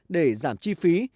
để giảm chi phí